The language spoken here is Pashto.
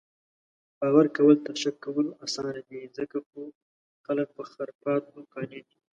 باؤر کؤل تر شک کؤلو اسانه دي، ځکه خو خلک پۀ خُرفاتو قانع دي